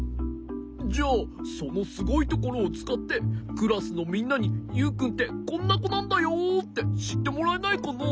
じゃあそのすごいところをつかってクラスのみんなにユウくんってこんなこなんだよってしってもらえないかな？